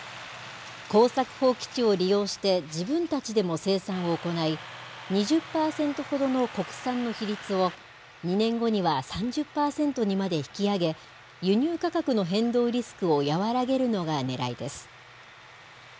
耕作放棄地を利用して自分たちでも生産を行い、２０％ほどの国産の比率を、２年後には３０％にまで引き上げ、輸入価格の変動リスクを和らげるのがねらいです。